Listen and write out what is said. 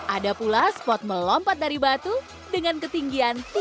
ada pula spot melompat dari batu dengan ketinggian tiga meter